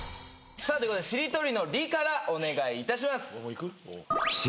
さあということでしりとりの「り」からお願いいたします。